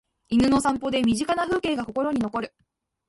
犬の散歩で身近な風景が心に残る